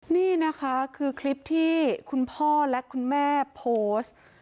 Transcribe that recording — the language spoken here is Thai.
นี่นะคะคือคลิปที่คุณพ่อและคุณแม่โพสต์